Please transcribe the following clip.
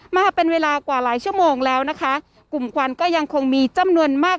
มาเป็นเวลากว่าหลายชั่วโมงแล้วนะคะกลุ่มควันก็ยังคงมีจำนวนมาก